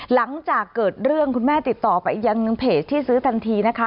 หลังจากเกิดเรื่องคุณแม่ติดต่อไปยังเพจที่ซื้อทันทีนะคะ